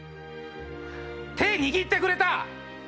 手握ってくれた。